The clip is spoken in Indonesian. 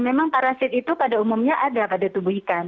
memang parasit itu pada umumnya ada pada tubuh ikan